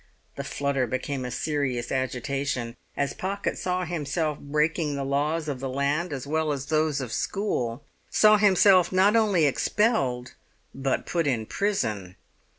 The flutter became a serious agitation as Pocket saw himself breaking the laws of the land as well as those of school, saw himself not only expelled but put in prison!